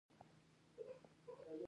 آیا د ایران خلک ورزش نه خوښوي؟